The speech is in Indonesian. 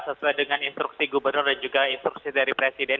sesuai dengan instruksi gubernur dan juga instruksi dari presiden